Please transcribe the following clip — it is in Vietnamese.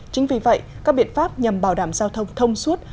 chính vì vậy các biện pháp nhằm bảo đảm giao thông thông suốt